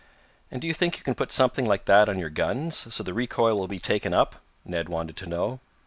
"And do you think you can put something like that on your guns, so the recoil will be taken up?" Ned wanted to know.